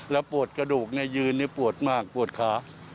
แล้วปวดกระดูกยืนปวดมากปวดขา